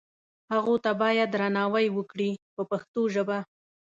هغو ته باید درناوی وکړي په پښتو ژبه.